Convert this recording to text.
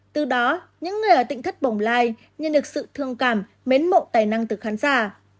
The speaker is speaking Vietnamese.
từ đó những người ở tỉnh thất bồng lai nhận được sự thương cảm mến mộ tài năng từ khán giả